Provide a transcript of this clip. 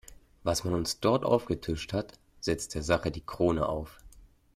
Was man uns dort aufgetischt hat, setzt der Sache die Krone auf!